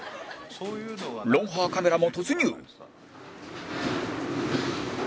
『ロンハー』カメラも突入！